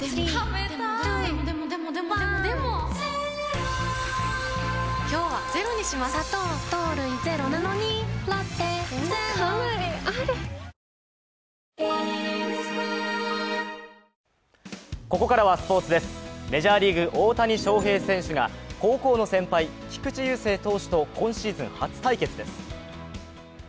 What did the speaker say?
メジャーリーグ、大谷翔平選手が高校の先輩、菊池雄星投手と今シーズン初対決です。